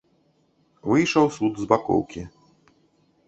Выйшаў суд з бакоўкі.